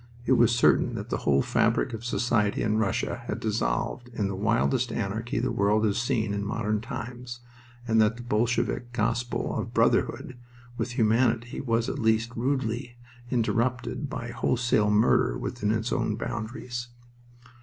It was certain that the whole fabric of society in Russia had dissolved in the wildest anarchy the world has seen in modern times, and that the Bolshevik gospel of "brotherhood" with humanity was, at least, rudely "interrupted" by wholesale murder within its own boundaries.